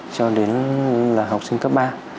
cho đến học sinh cấp ba